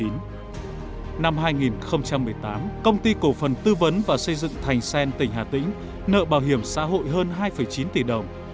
năm hai nghìn một mươi tám công ty cổ phần tư vấn và xây dựng thành sen tỉnh hà tĩnh nợ bảo hiểm xã hội hơn hai chín tỷ đồng